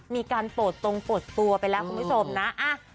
มีการโปรดตรงโปรดตัวไปแล้วคุณผู้ชมนะ